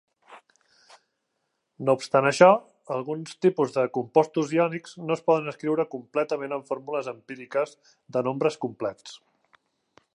No obstant això, alguns tipus de compostos iònics no es poden escriure completament amb formules empíriques de nombres complets.